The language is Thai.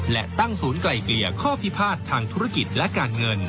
และตั้งศูนย์ไกลเกลี่ยข้อพิพาททางธุรกิจและการเงิน